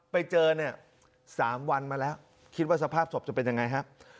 ไปเจอเนี่ย๓วันมาแล้วคิดว่าสภาพศพจะเป็นยังไงฮะ